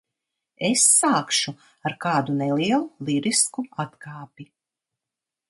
Es sākšu ar kādu nelielu lirisku atkāpi.